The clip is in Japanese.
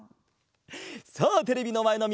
さあテレビのまえのみんな！